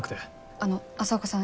あの朝岡さん